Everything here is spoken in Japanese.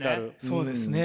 そうですね。